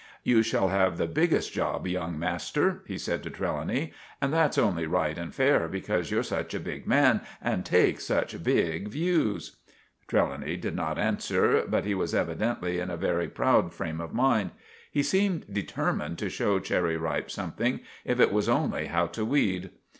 "You shall have the biggest job, young master," he said to Trelawny. "And that's only right and fair, because you're such a big man and take such big views." Trelawny did not answer, but he was evidently in a very proud frame of mind. He seemed determined to show Cherry Ripe something, if it was only how to weed.